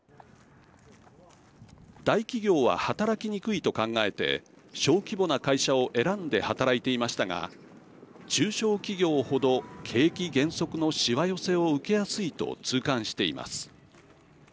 大企業は、働きにくいと考えて小規模な会社を選んで働いていましたが中小企業ほど景気減速のしわ寄せを受けやすいと痛感しています。